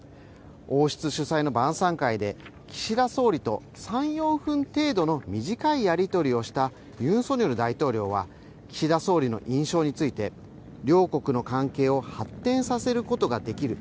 王室主催の晩さん会で岸田総理と３４分程度の短いやりとりをしたユン・ソンニョル大統領は岸田総理の印象について両国の関係を発展させることができる。